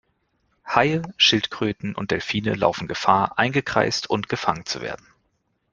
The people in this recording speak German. Haie, Schildkröten und Delphine laufen Gefahr, eingekreist und gefangen zu werden.